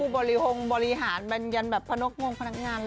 ผู้บริหรวงบริหารแม้งงานแบบผนกมงพนักงาน